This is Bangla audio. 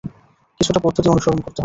কিছুটা পদ্ধতি অনুসরণ করতে হবে।